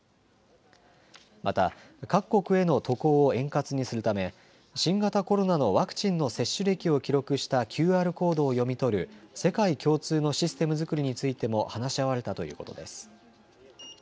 また、各国への渡航を円滑にするため新型コロナのワクチンの接種歴を記録したＱＲコードを読み取る世界共通のシステム作りについても話し合われたということです。